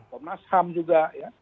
komnas ham juga ya